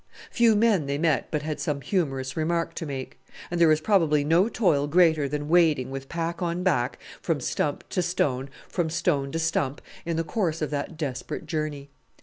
Few men they met but had some humorous remark to make; and there is probably no toil greater than wading, with pack on back, from stump to stone, from stone to stump, in the course of that desperate journey.